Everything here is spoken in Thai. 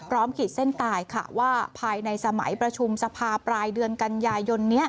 ขีดเส้นตายค่ะว่าภายในสมัยประชุมสภาปลายเดือนกันยายนนี้